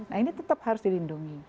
nah ini tetap harus dilindungi